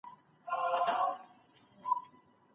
هغوی په خپلو کي جنجال ونکړ.